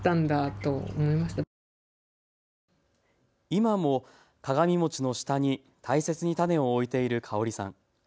今も鏡餅の下に大切に種を置いている香さん。